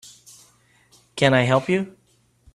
Can I help you?